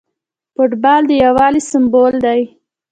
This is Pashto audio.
فوټبال د یووالي سمبول دی.